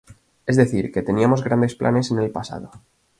Es decir, que teníamos grandes planes en el pasado.